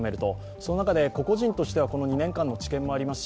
そういう中で個々人としてはこの２年間の知見もありますし